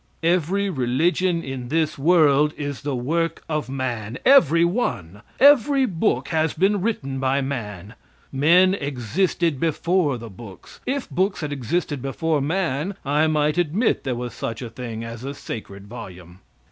Every religion in this world is the work of man. Every one! Every book has been written by man. Men existed before the books. If books had existed before man, I might admit there was such a thing as a sacred volume.